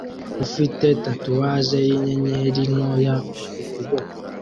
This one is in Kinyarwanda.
ufite tatuwaje yinyenyeri ntoya ku kuboko